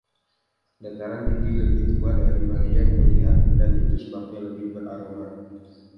Dataran tinggi lebih tua dari Maria yang terlihat, dan itu sebabnya lebih beraroma.